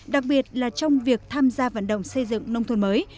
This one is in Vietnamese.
đặc biệt là trong việc tham gia vận động xây dựng nông thôn mới